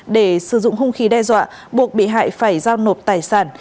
để sử dụng hung khí đe dọa buộc bị hại phải giao nộp tài sản